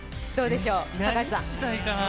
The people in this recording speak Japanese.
高橋さん。